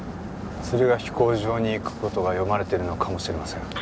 駿河飛行場に行く事が読まれてるのかもしれません。